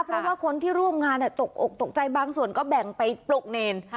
เพราะว่าคนที่ร่วมงานตกอกตกใจบางส่วนก็แบ่งไปปลุกเนร